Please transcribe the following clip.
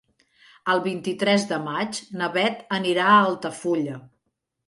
El vint-i-tres de maig na Beth anirà a Altafulla.